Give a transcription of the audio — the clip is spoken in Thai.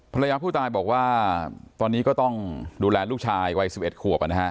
ภรรยาผู้ตายบอกว่าตอนนี้ก็ต้องดูแลลูกชายวัย๑๑ขวบ